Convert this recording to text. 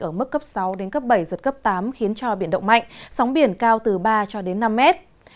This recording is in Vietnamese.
ở mức cấp sáu đến cấp bảy giật cấp tám khiến cho biển động mạnh sóng biển cao từ ba cho đến năm mét